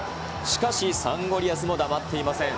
しかしサンゴリアスも黙っていません。